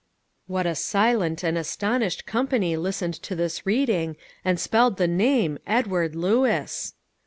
What a silent and astonished company listened to this reading, and spelled the name "Edward Lewis!"